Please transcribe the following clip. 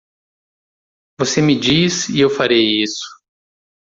Você me diz e eu farei isso.